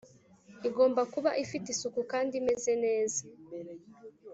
igomba kuba ifite isuku kandi imeze neza